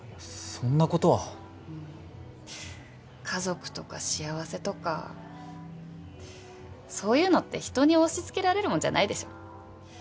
家族とか幸せとかそういうのって人に押しつけられるもんじゃないでしょ？